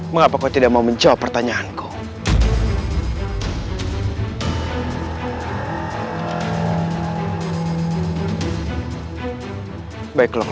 siapa mereka kenapa mereka membantuku